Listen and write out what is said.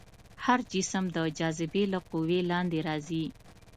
هر جسم د جاذبې له قوې لاندې راځي.